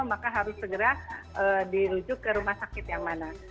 maka harus segera dirujuk ke rumah sakit yang mana